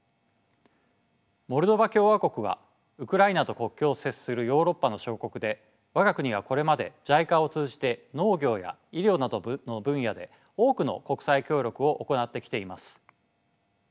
モルドバ共和国はウクライナと国境を接するヨーロッパの小国で我が国はこれまでＪＩＣＡを通じて農業や医療などの分野で多くの国際協力を行ってきています。